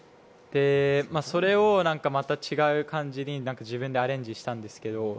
それをまた違う感じに自分でアレンジしたんですけど。